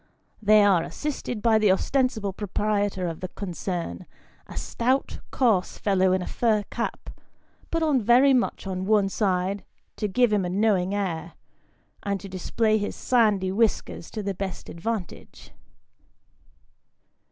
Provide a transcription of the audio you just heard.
They are assisted by the ostensible proprietor of the concern, a stout coarse fellow in a fur cap, pnt on very much on one side to give him a knowing air, and to display his sandy whiskers to the best advantage.